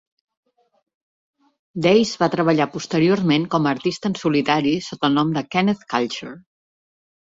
Dayes va treballar posteriorment com a artista en solitari sota el nom de Kenneth Culture.